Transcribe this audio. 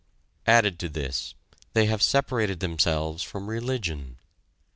Added to this, they have separated themselves from religion.